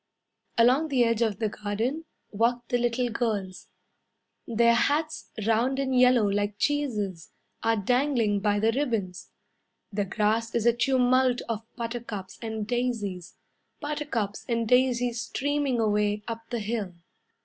Along the edge of the garden Walk the little girls. Their hats, round and yellow like cheeses, Are dangling by the ribbons. The grass is a tumult of buttercups and daisies; Buttercups and daisies streaming away Up the hill.